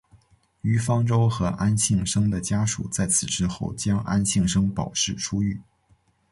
于方舟和安幸生的家属在此之后将安幸生保释出狱。